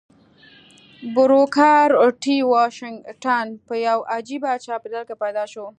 بروکر ټي واشنګټن په يوه عجيبه چاپېريال کې پيدا شو.